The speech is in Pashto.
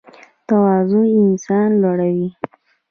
تواضع انسان لوړوي